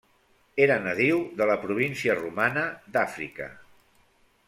Era nadiu de la província romana d'Àfrica.